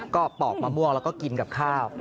ก็ปอกมะม่วงแล้วก็กินกับข้าว